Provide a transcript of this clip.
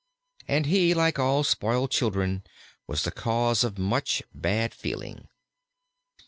And he, like all spoiled children, was the cause of much bad feeling.